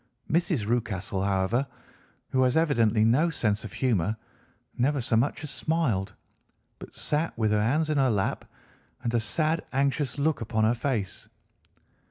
Mrs. Rucastle, however, who has evidently no sense of humour, never so much as smiled, but sat with her hands in her lap, and a sad, anxious look upon her face.